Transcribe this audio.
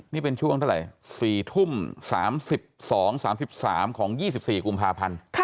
นี่เป็นช่วงเท่าไรสี่ทุ่มสามสิบสองสามสิบสามของยี่สิบสี่กุมภาพันธ์